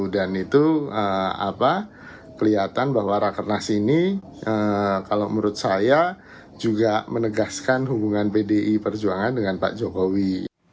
dan itu kelihatan bahwa rakernas ini kalau menurut saya juga menegaskan hubungan pdi perjuangan dengan pak jokowi